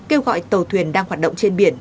kêu gọi tàu thuyền đang hoạt động trên biển